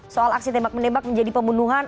soal aksi tembak menembak menjadi pembunuhan